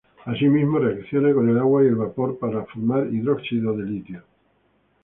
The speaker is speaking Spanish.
Asimismo, reacciona con el agua y el vapor para formar hidróxido de litio.